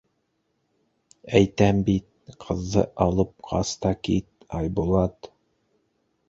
Әйтәм бит, ҡыҙҙы алып ҡас та кит, Айбулат.